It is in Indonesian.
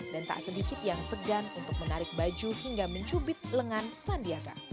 dan tak sedikit yang segan untuk menarik baju hingga mencubit lengan sandiaga